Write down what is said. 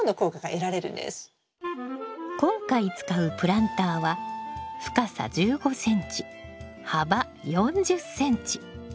今回使うプランターは深さ１５ｃｍ幅４０ｃｍ。